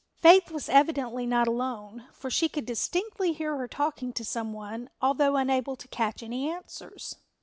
Faith was evidently not alone, for she could distinctly hear her talking to some one although unable to catch any answers.